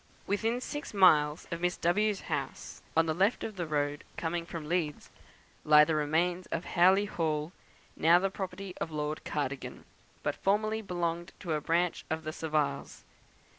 Within six miles of Miss W 's house on the left of the road, coming from Leeds lie the remains of Howley Hall, now the property of Lord Cardigan, but formerly belonging to a branch of the Saviles.